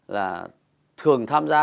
là thường tham gia